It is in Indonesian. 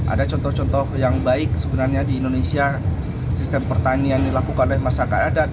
ada contoh contoh yang baik sebenarnya di indonesia sistem pertanian dilakukan oleh masyarakat adat